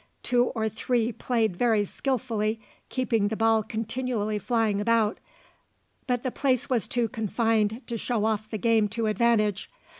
Two or three played very skilfully, keeping the ball continually flying about, but the place was too confined to show off the game to advantage.